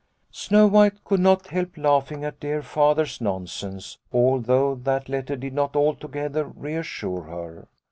" Snow White could not help laughing at dear Father's nonsense, although that letter did not altogether reassure her.